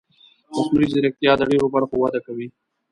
مصنوعي ځیرکتیا د ډېرو برخو وده کوي.